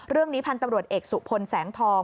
เรื่องนี้พันธุ์ตำรวจเอกสุพลแสงทอง